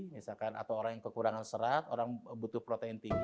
misalkan atau orang yang kekurangan serat orang butuh protein tinggi